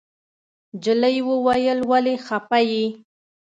نجلۍ وويل ولې خپه يې.